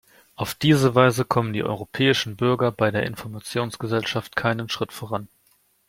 Auf diese Weise kommen die europäischen Bürger bei der Informationsgesellschaft keinen Schritt voran.